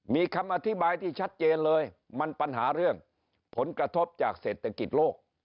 มีคำอธิบายที่ชัดเจนเลยมันปัญหาเรื่องผลกระทบจากเศรษฐกิจโลก